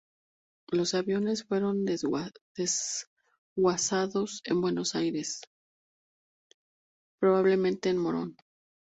Los aviones fueron desguazados en Buenos Aires, probablemente en Morón.